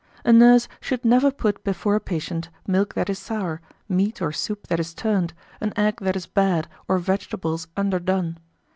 A nurse should never put before a patient milk that is sour, meat or soup that is turned, an egg that is bad, or vegetables underdone."